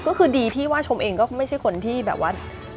ก็คือดีที่ว่าชมเองก็ไม่ใช่คนที่แบบว่า